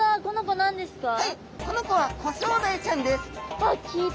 この子はコショウダイちゃんです。